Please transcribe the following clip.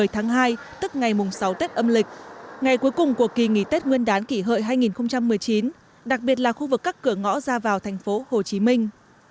một mươi tháng hai tức ngày mùng sáu tết âm lịch ngày cuối cùng của kỳ nghỉ tết nguyên đán kỷ hợi hai nghìn một mươi chín đặc biệt là khu vực cắt cửa ngõ ra vào thành phố hồ chí minh